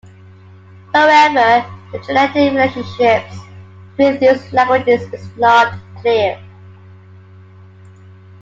However the genetic relationships between these languages is not clear.